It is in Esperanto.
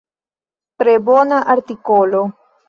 Tre bona artikolo!